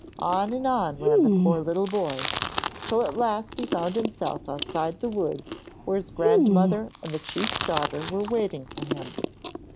On and on ran the poor little boy, till at last he found himself outside the woods where his grandmother and the chief's daughter were waiting for him.